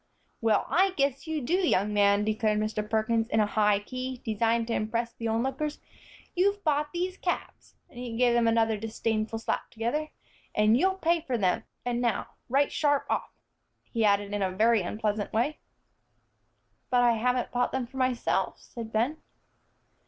"Well, I guess you do, young man," declared Mr. Perkins, in a high key, designed to impress the onlookers. "You've bought these caps," and he gave them another disdainful slap together, "and you'll pay for them, and now, right sharp off!" he added in a very unpleasant way. "But I haven't bought them for myself," said Ben.